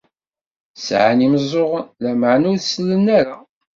Sɛan imeẓẓuɣen, lameɛna ur sellen ara.